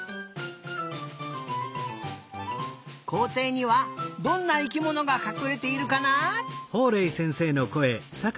こうていにはどんな生きものがかくれているかな？